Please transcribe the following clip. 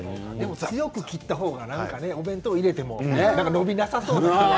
強く切った方がお弁当に入れてものびなさそうでね。